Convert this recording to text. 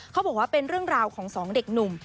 เขาบอกว่าเป็นเรื่องราวของสองเด็กหนุ่ม